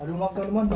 aduh maaf teman teman